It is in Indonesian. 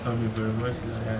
semua orang mengahwini saya